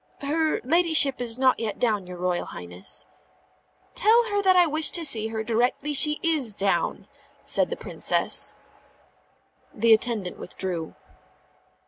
"Her ladyship is not yet down, your Royal Highness." "Tell her that I wish to see her directly she is down," said the Princess. The attendant withdrew.